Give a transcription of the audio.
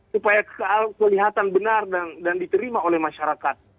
supaya kelihatan benar dan diterima oleh masyarakat